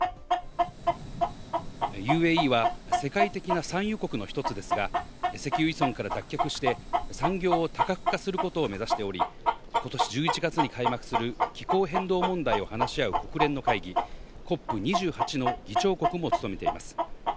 ＵＡＥは世界的な産油国の１つですが、石油依存から脱却して産業を多角化することを目指しており、ことし１１月に開幕する気候変動問題を話し合う国連の会議・ＣＯＰ２８の議長国も務めています。